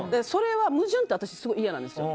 矛盾って私すごい嫌なんですよ。